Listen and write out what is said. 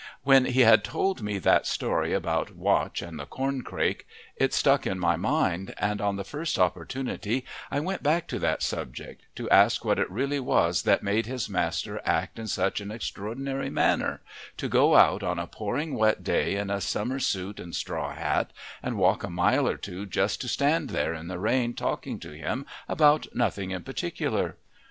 When he had told me that story about Watch and the corn crake, it stuck in my mind, and on the first opportunity I went back to that subject to ask what it really was that made his master act in such an extraordinary manner to go out on a pouring wet day in a summer suit and straw hat, and walk a mile or two just to stand there in the rain talking to him about nothing in particular.